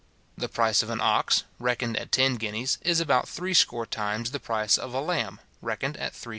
The price of an ox, reckoned at ten guineas, is about three score times the price of a lamb, reckoned at 3s.